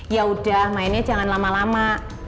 ya udah mainnya jangan lama lama